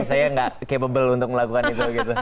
saya nggak capable untuk melakukan itu gitu